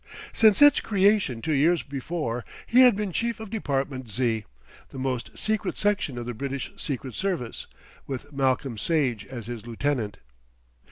Since its creation two years before, he had been Chief of Department Z., the most secret section of the British Secret Service, with Malcolm Sage as his lieutenant.